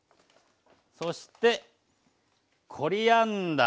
そしてコリアンダー。